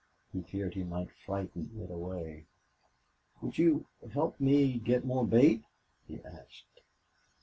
He feared he might frighten it away. "Will you help me get more bait?" he asked.